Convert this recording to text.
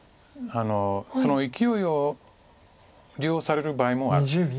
そのいきおいを利用される場合もある。